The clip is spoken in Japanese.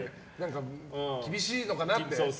厳しいのかなって。